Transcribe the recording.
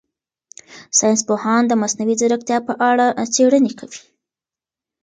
ساینس پوهان د مصنوعي ځیرکتیا په اړه څېړنې کوي.